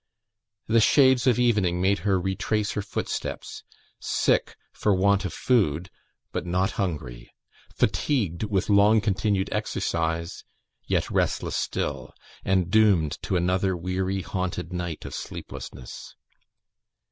The shades of evening made her retrace her footsteps sick for want of food, but not hungry; fatigued with long continued exercise yet restless still, and doomed to another weary, haunted night of sleeplessness.